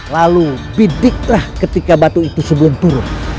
lalu bidiklah ketika batu itu sebelum turun